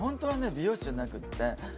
美容師じゃなくって。